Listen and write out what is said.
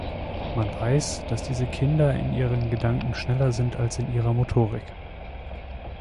Man weiß, dass diese Kinder in ihren Gedanken schneller sind als in ihrer Motorik.